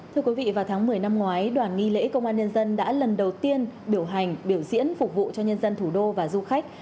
thưa quý vị vào tháng một mươi năm ngoái đoàn nghi lễ công an nhân dân đã lần đầu tiên biểu hành biểu diễn phục vụ cho nhân dân thủ đô và du khách